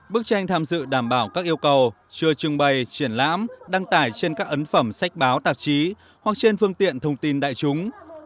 bức tranh tham dự đảm bảo các yêu cầu chưa trưng bày triển lãm đăng tải trên các ấn phẩm sách báo tạp chí hoặc trên phương tiện thông tin đại chúng